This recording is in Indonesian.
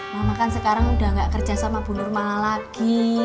mama kan sekarang udah gak kerja sama bu nurmala lagi